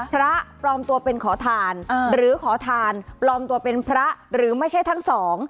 พระปลอมตัวเป็นขอทานหรือขอทานปลอมตัวเป็นพระหรือไม่ใช่ทั้งสอง